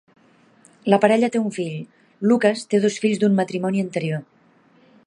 La parella té un fill; Lucas té dos fills d'un matrimoni anterior.